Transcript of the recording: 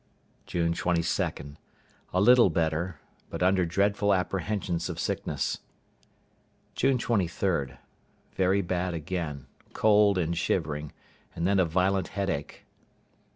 June 22.—A little better; but under dreadful apprehensions of sickness. June 23.—Very bad again; cold and shivering, and then a violent headache.